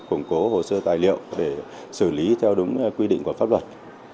củng cố hồ sơ tài liệu để xử lý theo đúng quy định của pháp luật